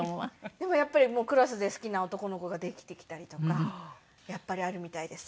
でもやっぱりクラスで好きな男の子ができてきたりとかやっぱりあるみたいです。